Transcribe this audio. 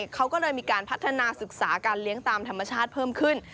เขาก็เลยมีการพัฒนาศึกษาการเลี้ยงตามธรรมชาติเพิ่มขึ้น